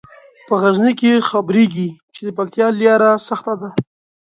په غزني کې خبریږي چې د پکتیا لیاره سخته ده.